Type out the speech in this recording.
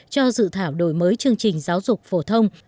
cho dự thảo đổi mới chương trình giáo dục phổ thông